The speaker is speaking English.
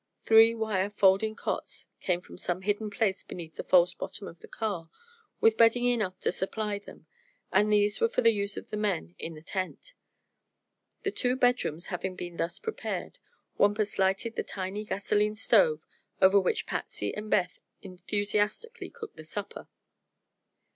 Three wire folding cots came from some hidden place beneath the false bottom of the car, with bedding enough to supply them, and these were for the use of the men in the tent. The two "bedrooms" having been thus prepared, Wampus lighted the tiny gasoline stove, over which Patsy and Beth enthusiastically cooked the supper.